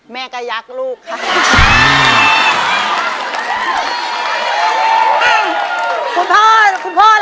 แม่ก็ยักลูกค่ะ